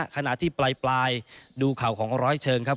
ขณะที่ปลายดูเข่าของร้อยเชิงครับ